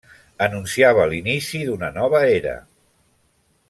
Anunciava l'inici d'una nova era.